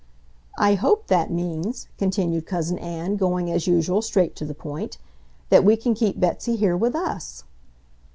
"I hope that means," continued Cousin Ann, going as usual straight to the point, "that we can keep Betsy here with us."